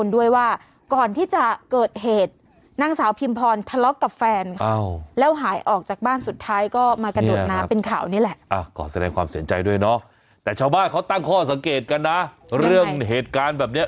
แต่ชาวบ้านเขาตั้งข้อสังเกตกันนะเรื่องเหตุการณ์แบบนี้